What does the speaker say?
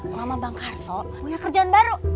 mama bang harso punya kerjaan baru